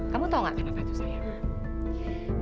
kamu tau gak kenapa tuh sayang